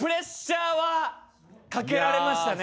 はかけられましたね。